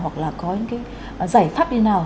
hoặc là có những cái giải pháp như nào